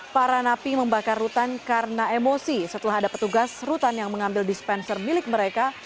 para napi membakar rutan karena emosi setelah ada petugas rutan yang mengambil dispenser milik mereka